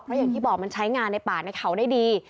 เพราะอย่างที่บอกมันใช้งานในป่าในเขาได้ดี